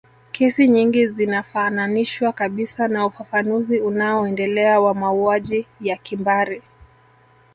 Kesi nyingi zinafananishwa kabisa na ufafanuzi unao endelea wa mauaji ya kimbari